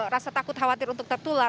rasa takut khawatir untuk tertular